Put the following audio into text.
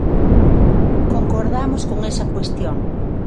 Concordamos con esa cuestión.